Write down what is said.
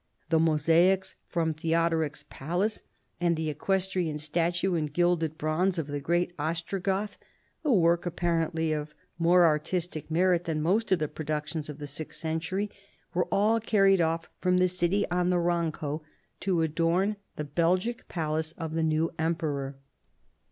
The mosaics from Theodoric's palace and the eques trian statue in gilded bronze of the great Ostrogoth — a work apparently of more ar ' istic merit than most of the productions of the sixth centurj', were all carried off from the city on the Ronco * to adorn the Belgic palace of the new emperor.